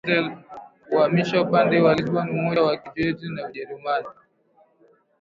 za magharibi na hasa Israeli kuhamia upande wa Libya Umoja wa Kisovyeti na Ujerumani